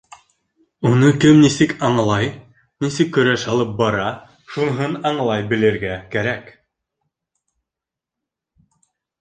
Уны кем нисек аңлай, нисек көрәш алып бара, шуныһын аңлай белергә кәрәк.